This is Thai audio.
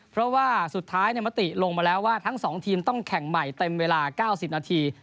เพราะว่าสุดท้ายมติลงมาแล้วว่าทั้ง๒ทีมต้องแข่งใหม่เต็มเวลา๙๐นาที